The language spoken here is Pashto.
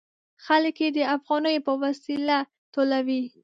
خلک یې د افغانیو په وسیله ټولوي.